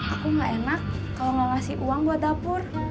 aku gak enak kalau gak ngasih uang buat dapur